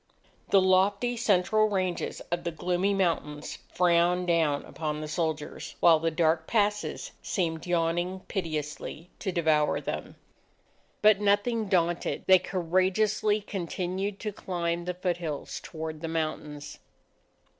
The lofty central ranges of the gloomy mountains frowned down upon the soldiers, while the dark passes seemed yawning pitilessly to devour them. But nothing daunted, they courageously continued to climb the foothills toward the mountains.